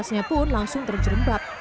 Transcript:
pemangkasnya pun langsung tercerembab